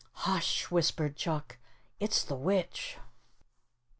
"Hush," whispered Chuck, "it's the witch."